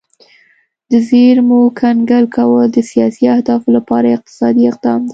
د زیرمو کنګل کول د سیاسي اهدافو لپاره اقتصادي اقدام دی